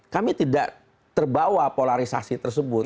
kami tidak terbawa polarisasi tersebut